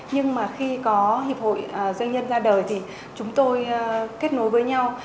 nhưng mà khi có hiệp hội doanh nhân ra đời thì chúng tôi kết nối với nhau